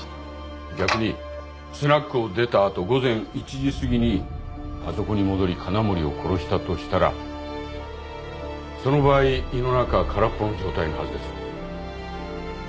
逆にスナックを出た後午前１時すぎにあそこに戻り金森を殺したとしたらその場合胃の中は空っぽの状態のはずです。